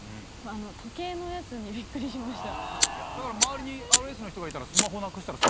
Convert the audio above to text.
時計のやつにびっくりしました。